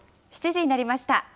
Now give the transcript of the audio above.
７時になりました。